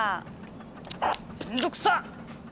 チッめんどくさっ！